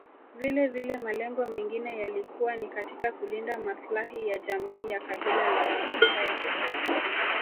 Vilevile malengo mengine yalikuwa ni katika kulinda maslahi ya jamii ya kabila la wamaasai